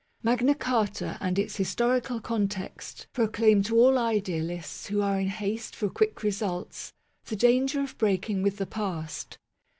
Magna Carta and its historical context proclaim to .all idealists who are in haste for quick results, the danger of breaking with the past.